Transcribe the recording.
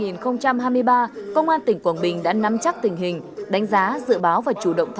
năm hai nghìn hai mươi ba công an tỉnh quảng bình đã nắm chắc tình hình đánh giá dự báo và chủ động